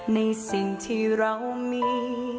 ในสิ่งที่เรามี